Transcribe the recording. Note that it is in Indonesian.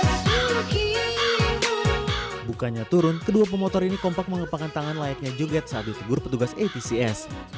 joget joget ya bukannya turun kedua pemotor ini kompak mengepangkan tangan layaknya joget saat ditugur petugas atcs